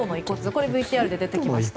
これ、ＶＴＲで出てきました。